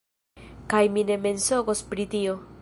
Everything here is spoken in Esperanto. Kaj mi ne mensogos pri tio!